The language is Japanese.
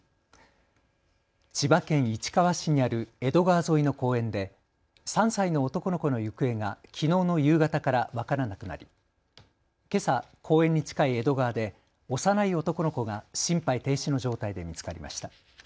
千葉県市川市にある江戸川沿いの公園で３歳の男の子の行方がきのうの夕方から分からなくなりけさ公園に近い江戸川で幼い男の子が心肺停止の状態で見つかりました。